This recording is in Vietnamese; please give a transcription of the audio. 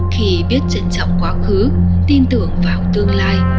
khi biết trân trọng quá khứ tin tưởng vào tương lai